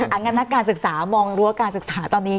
อันนั้นนักการศึกษามองรั้วการศึกษาตอนนี้